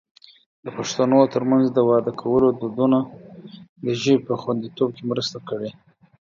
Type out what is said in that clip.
د پښتنو ترمنځ د واده کولو دودونو د ژبې په خوندیتوب کې مرسته کړې.